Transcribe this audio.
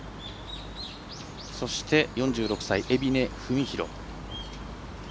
そして４６歳、海老根文博。